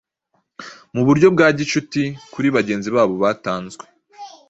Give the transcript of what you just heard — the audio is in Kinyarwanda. Muburyo bwa gicuti kuri bagenzi babo batanzwe